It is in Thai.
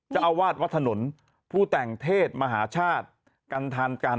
เจ้าอาวาสวัดถนนผู้แต่งเทศมหาชาติกันทานกัน